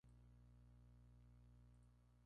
Fue producida por Sky Adams.